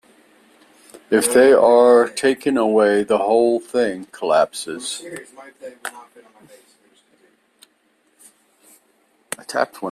If they are taken away the whole thing collapses.